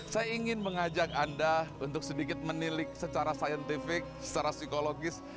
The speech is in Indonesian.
saya ingin mengajak anda untuk sedikit menilik secara saintifik secara psikologis